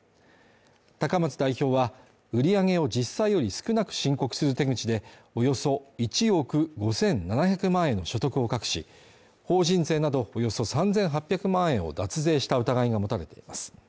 高松代表は売上を実際より少なく申告する手口でおよそ１億５７００万円の所得を隠し、法人税などおよそ３８００万円を脱税した疑いが持たれています。